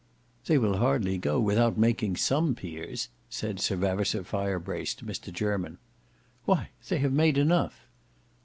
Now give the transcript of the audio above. "They will hardly go out without making some peers," said Sir Vavasour Firebrace to Mr Jermyn. "Why they have made enough."